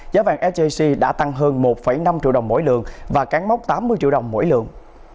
giá vàng sjc đã tăng hơn một năm triệu đồng mỗi lượng và cán mốc tám mươi triệu đồng mỗi lượng